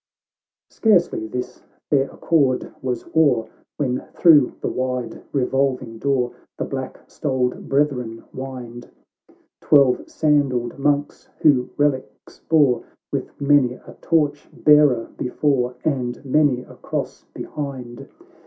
— XXII Scarcely this fair accord was o'er, When through the wide revolving door The black stoled brethren wind; Twelve sandalled monks, who reliques bore, With many a torch bearer before, And many a cross behind.